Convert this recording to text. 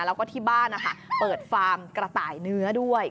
แล้วก็ที่บ้านเปิดฟาร์มกระต่ายเนื้อด้วย